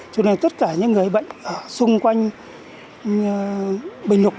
cho nên tất cả những người bệnh ở xung quanh bình lục